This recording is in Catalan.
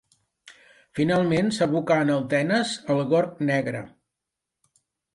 Finalment s'aboca en el Tenes al Gorg Negre.